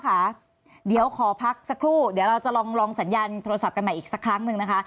ค่ะเดี๋ยวขอพักสักครู่เดี๋ยวเราจะลองสัญญาณโทรศัพท์กันใหม่อีกสักครั้งหนึ่งนะคะ